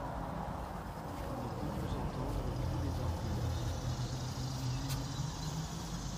Nous pouvons entendre tous les arguments.